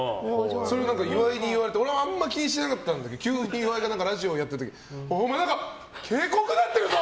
それを岩井に言われてあんまり気にしなかったんだけど岩井とラジオやった時にお前、何か毛が濃くなってるぞ！